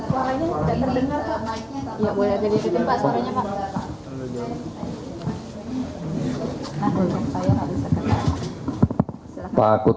pak suaranya gak terdengar pak mic nya